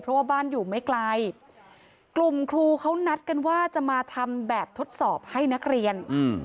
เพราะว่าบ้านอยู่ไม่ไกลกลุ่มครูเขานัดกันว่าจะมาทำแบบทดสอบให้นักเรียน